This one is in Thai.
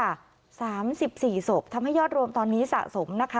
สามสิบสี่ศพทำให้ยอดรวมตอนนี้สะสมนะคะ